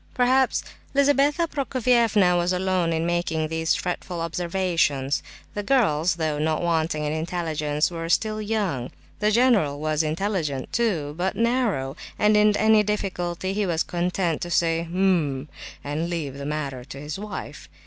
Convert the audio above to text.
Perhaps Lizabetha Prokofievna was alone in making these fretful observations; the girls, though not wanting in intelligence, were still young; the general was intelligent, too, but narrow, and in any difficulty he was content to say, "H'm!" and leave the matter to his wife.